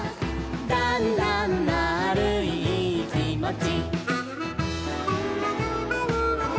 「だんだんまぁるいいいきもち」